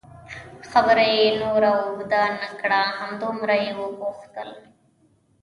خبره یې نوره اوږده نه کړه، همدومره یې وپوښتل.